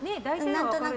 何となく。